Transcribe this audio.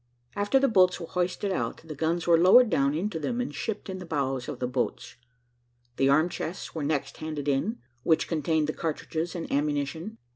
After the boats were hoisted out, the guns were lowered down into them and shipped in the bows of the boats. The arm chests were next handed in, which contained the cartridges and ammunition.